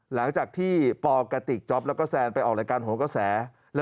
หลังจากที่ปกติกจ๊อปแล้วก็แซนไปออกรายการโหกระแส